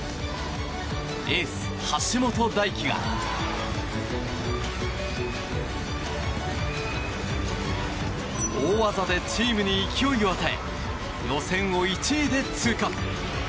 エース、橋本大輝が大技でチームに勢いを与え予選を１位で通過。